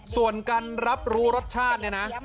ส่วนการรับรู้รสชาติเนี่ยนะ